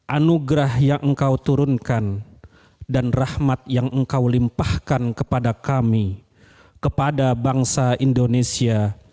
anugerah yang engkau turunkan dan rahmat yang engkau limpahkan kepada kami kepada bangsa indonesia